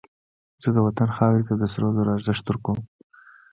زه د وطن خاورې ته د سرو زرو ارزښت ورکوم